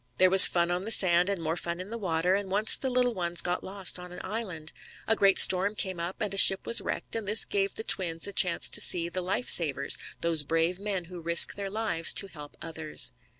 There was fun on the sand, and more fun in the water, and once the little ones got lost on an island. A great storm came up, and a ship was wrecked, and this gave the twins a chance to see the life savers, those brave men who risk their lives to help others.